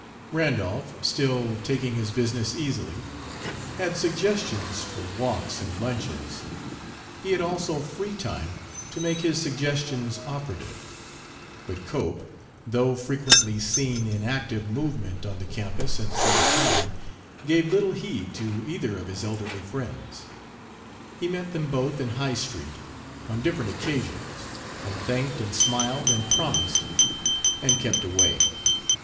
Randolph, still taking his business easily, had suggestions for walks and lunches; he had also free time to make his suggestions operative. But Cope, though frequently seen in active movement on the campus and through the town, gave little heed to either of his elderly friends. He met them both, in High Street, on different occasions, and thanked and smiled and promised and kept away.